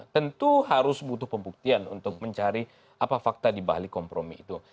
tentu harus butuh pembuktian untuk mencari apa fakta dibalik kompromi itu